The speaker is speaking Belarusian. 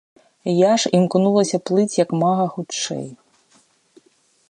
Я ж імкнулася плыць як мага хутчэй.